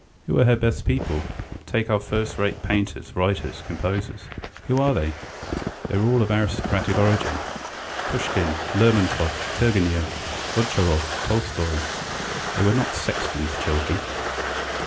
"Who are her best people? Take our first rate painters, writers, composers .... Who are they? They were all of aristocratic origin. Pushkin, Lermontov, Turgenev, Gontcharov, Tolstoy, they were not sexton's children."